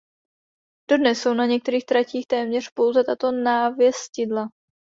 Dodnes jsou na některých tratích téměř pouze tato návěstidla.